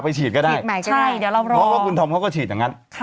ไปฉีดก็ได้เพราะว่าคุณฐอมเขาก็ฉีดอย่างงั้น